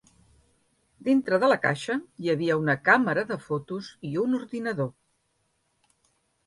Dintre de la caixa hi havia una càmera de fotos i un ordinador.